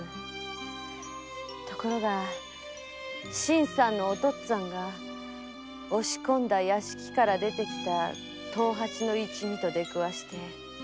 ところが新さんのおとっつぁんが押し込んだ屋敷から出てきた藤八の一味と出くわして殺された。